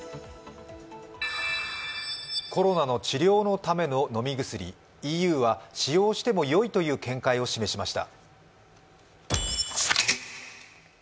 コロナの治療のための飲み薬、ＥＵは使用してもよいという見解を示しました。